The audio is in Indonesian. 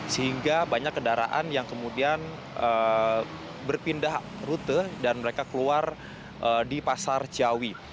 sehingga banyak kendaraan yang kemudian berpindah rute dan mereka keluar di pasar ciawi